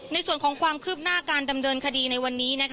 ในส่วนของความคืบหน้าการดำเนินคดีในวันนี้